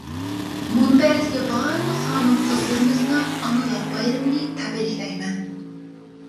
مۇنبەردىكى بارلىق خانىم-قىزلىرىمىزنىڭ ئانىلار بايرىمىنى تەبرىكلەيمەن.